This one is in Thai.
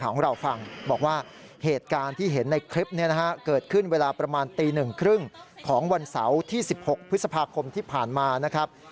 วันเสาร์ที่๑๖พฤษภาคมที่ผ่านมา